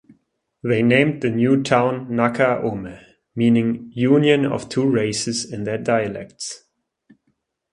They named the new town "Naca-Ome", meaning "union of two races" in their dialects.